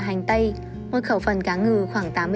hành tây một khẩu phần cá ngừ khoảng